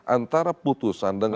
antara putusan dengan